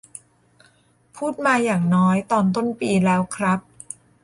พูดมาอย่างน้อยตอนต้นปีแล้วครับ